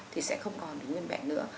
thì sẽ không còn được nguyên bệnh nữa